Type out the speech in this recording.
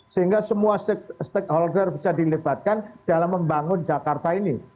sehingga semua stakeholder bisa dilebatkan dalam membangun jakarta ini